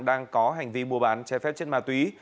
đang có hành vi mua bán trái phép chất ma túy